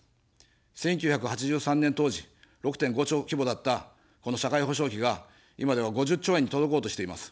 １９８３年当時、６．５兆規模だったこの社会保障費が、今では５０兆円に届こうとしています。